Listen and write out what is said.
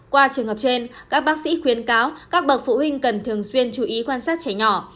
qua trường hợp trên các bác sĩ khuyến cáo các bậc phụ huynh cần thường xuyên chú ý quan sát trẻ nhỏ